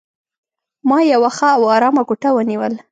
ما یوه ښه او آرامه کوټه ونیول.